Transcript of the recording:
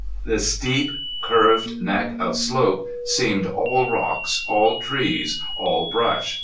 The steep curved neck of slope seemed all rocks, all trees, all brush.